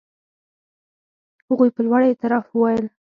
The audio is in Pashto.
هغوی په لوړ اعتراف وویل.